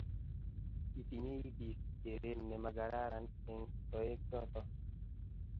Kitinyei biik geret nemagararan eng toek choto